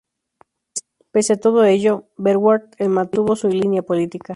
Pese a todo ello, Verwoerd mantuvo su línea política.